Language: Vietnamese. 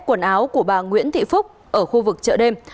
quần áo của bà nguyễn thị phúc ở khu vực chợ đêm